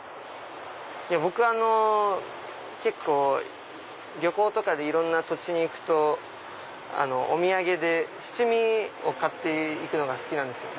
僕結構旅行とかでいろんな土地に行くとお土産で七味を買って行くのが好きなんですよ。